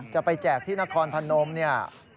จะไปแจกที่นครพนมนี่